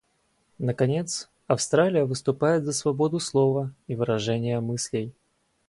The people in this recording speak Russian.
Наконец, Австралия выступает за свободу слова и выражения мыслей.